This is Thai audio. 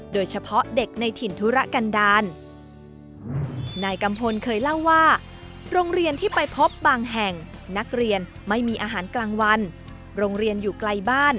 โดยเฉพาะเด็กในถิ่นธุระกันดาล